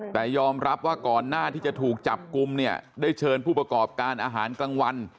แต่ยอมรับว่าก่อนหน้าที่จะถูกจับกลุ่มเนี่ยได้เชิญผู้ประกอบการอาหารกลางวัน